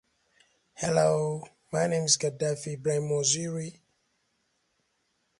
John Philip Sousa and the Marine Band provided the music.